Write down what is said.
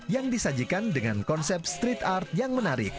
yang disajikan dengan konsep street art yang menarik